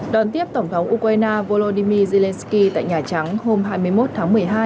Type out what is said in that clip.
đón tiếp tổng thống ukraine volodymyr zelensky tại nhà trắng hôm hai mươi một tháng một mươi hai